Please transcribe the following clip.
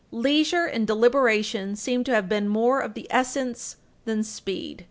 Leisure and deliberation seem to have been more of the essence than speed.